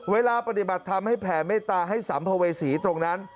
ปฏิบัติทำให้แผ่เมตตาให้สัมภเวษีตรงนั้น